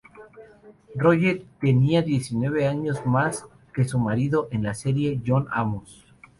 Rolle tenía diecinueve años más que su marido en la serie, John Amos.